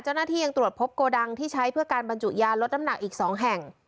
เจ้าหน้าที่ยังตรวจพบโกดังที่ใช้เพื่อการบรรจุยาลดน้ำหนักอีก๒แห่ง